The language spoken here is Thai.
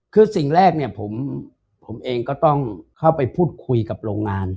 คือสิ่งแรกเนี่ยผมเองก็ต้องเข้าไปพูดคุยกับโรงงาน